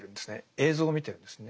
映像を見てるんですね。